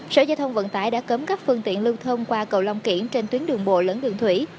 sở giao thông vận tải đã cấm các phương tiện lưu thông qua cầu long kiển trên tuyến đường bộ lẫn đường thủy